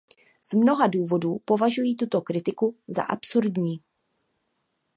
Z mnoha důvodů považuji tuto kritiku za absurdní.